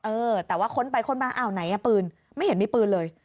เออแต่ว่าค้นไปค้นมาอ้าวไหนอ่ะปืนไม่เห็นมีปืนเลย